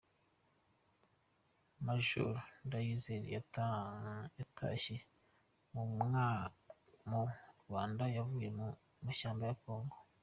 Majoro Ndayizeye yatashye mu Rwanda avuye mu mashyamba ya kongo